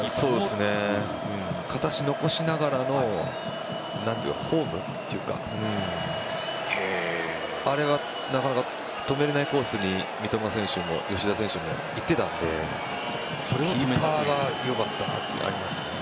片足を残しながらのフォームというかあれはなかなか止めれないコースに三笘選手も吉田選手もいってたんでキーパーがよかったと思いますね。